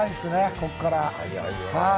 ここから。